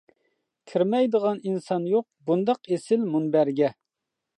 كىرمەيدىغان ئىنسان يوق، بۇنداق ئېسىل مۇنبەرگە.